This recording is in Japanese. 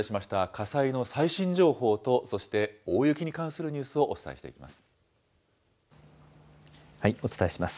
火災の最新情報と、そして大雪に関するニュースをお伝えしていきます。